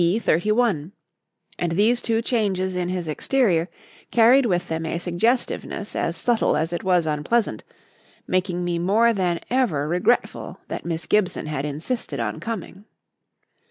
31"; and these two changes in his exterior carried with them a suggestiveness as subtle as it was unpleasant, making me more than ever regretful that Miss Gibson had insisted on coming.